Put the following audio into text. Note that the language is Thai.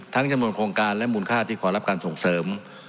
จำนวนโครงการและมูลค่าที่ขอรับการส่งเสริม